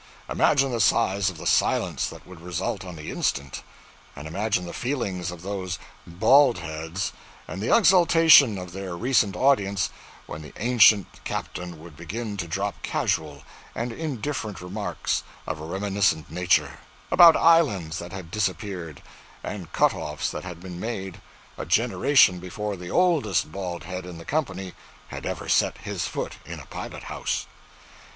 Imagine the size of the silence that would result on the instant. And imagine the feelings of those bald heads, and the exultation of their recent audience when the ancient captain would begin to drop casual and indifferent remarks of a reminiscent nature about islands that had disappeared, and cutoffs that had been made, a generation before the oldest bald head in the company had ever set his foot in a pilot house!